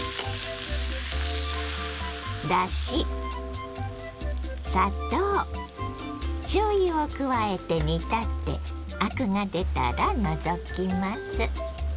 だし砂糖しょうゆを加えて煮立てアクが出たら除きます。